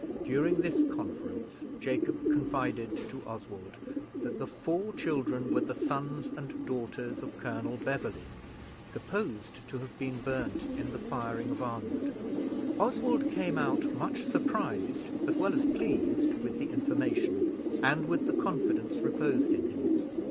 During this conference, Jacob confided to Oswald that the four children were the sons and daughters of Colonel Beverley, supposed to have been burned in the firing of Arnwood. Oswald came out, much surprised as well as pleased with the information, and with the confidence reposed in him.